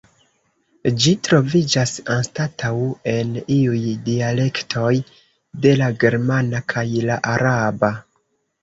Ĝi troviĝas anstataŭ en iuj dialektoj de la germana kaj la araba.